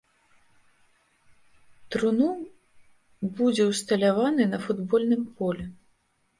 Труну будзе ўсталяваны на футбольным полі.